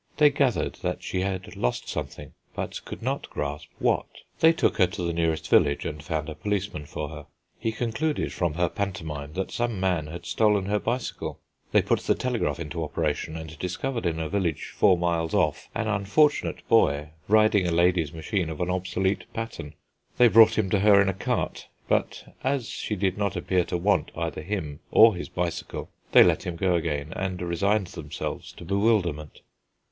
They gathered that she had lost something, but could not grasp what. They took her to the nearest village, and found a policeman for her. He concluded from her pantomime that some man had stolen her bicycle. They put the telegraph into operation, and discovered in a village four miles off an unfortunate boy riding a lady's machine of an obsolete pattern. They brought him to her in a cart, but as she did not appear to want either him or his bicycle they let him go again, and resigned themselves to bewilderment.